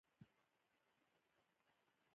د پیل څپرکي لوستل تر ټولو ډېر ګټور دي.